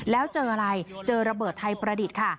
แล้วเจออะไรเจอระเบิดไทยประดิษฐ์ค่ะ